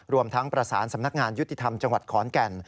รวมทั้งประสานสำนักงานยุติธรรมจังหวัดขอนแก่น